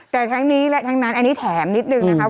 แต่ทั้งนี้และทั้งนั้นอันนี้แถมนิดนึงนะครับ